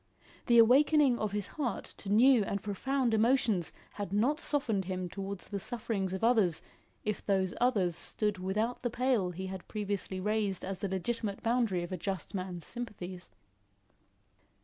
The awakening of his heart to new and profound emotions had not softened him towards the sufferings of others if those others stood without the pale he had previously raised as the legitimate boundary of a just man's sympathies.